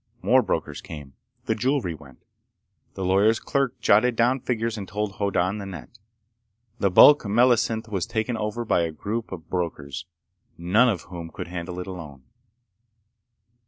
More brokers came. The jewelry went. The lawyer's clerk jotted down figures and told Hoddan the net. The bulk melacynth was taken over by a group of brokers, none of whom could handle it alone.